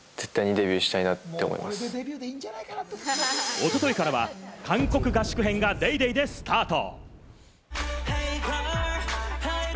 おとといからは韓国合宿編が『ＤａｙＤａｙ．』でスタート。